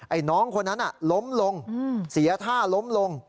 ไอ้น้องคนนั้นน่ะล้มลงอืมเสียท่าล้มลง